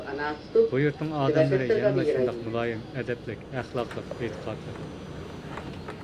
بۇ يۇرتنىڭ ئادەملىرى يەنىلا شۇنداق مۇلايىم، ئەدەپلىك، ئەخلاقلىق، ئېتىقادلىق.